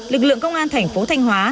lực lượng công an thành phố thanh hóa